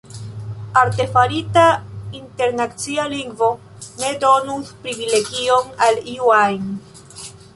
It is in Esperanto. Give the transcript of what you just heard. Artefarita internacia lingvo ne donus privilegion al iu ajn.